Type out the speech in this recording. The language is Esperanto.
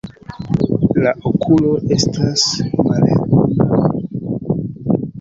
La okuloj estas malhelbrunaj.